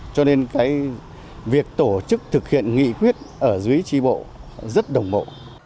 cho nên cái việc tổ chức thực hiện nghị quyết ở dưới tri bộ rất đồng bộ